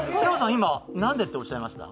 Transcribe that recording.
今、「何で？」っておっしゃいました？